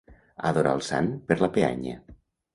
Adorar el sant per la peanya.